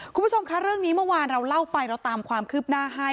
คุณผู้ชมคะเรื่องนี้เมื่อวานเราเล่าไปเราตามความคืบหน้าให้